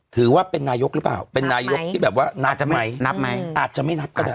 ถือว่าเป็นนายกหรือเปล่าเป็นนายกที่แบบว่านับไหมอาจจะไม่นับก็ได้